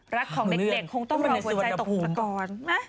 รักของเด็กคงต้องรอหัวใจตกตะกร